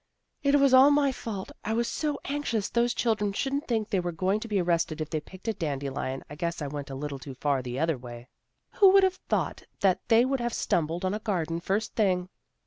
" It was all my fault. I was so anxious those children shouldn't think they were going to be arrested if they AN EVENTFUL PICNIC 323 picked a dandelion, I guess I went a little too far the other way. Who would have thought that they would have stumbled on a garden first thing?